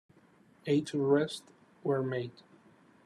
Eight arrests were made.